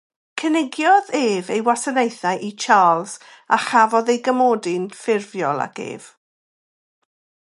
Cynigiodd ef ei wasanaethau i Charles a chafodd ei gymodi'n ffurfiol ag ef.